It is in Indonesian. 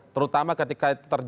terutama ketika terjadi ketenangan